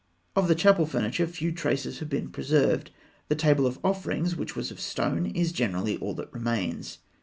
Of the chapel furniture few traces have been preserved. The table of offerings, which was of stone, is generally all that remains.